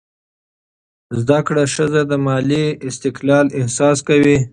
زده کړه ښځه د مالي استقلال احساس کوي.